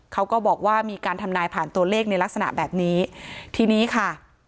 เขาก็บอกว่ามีการทำนายผ่านตัวเลขในลักษณะแบบนี้ทีนี้ค่ะ